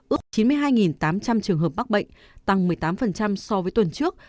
ước chín mươi hai tám trăm linh trường hợp mắc bệnh tăng một mươi tám so với tuần trước